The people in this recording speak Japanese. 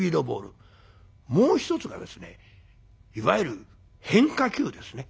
もう一つがですねいわゆる変化球ですね。